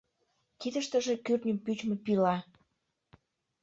Кидыштыже кӱртньым пӱчмӧ пила.